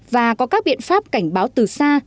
và có các biện pháp cảnh báo từ xa